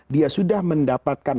dia sudah mendapatkan